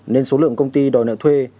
nên số lượng công ty đòi nợ thuê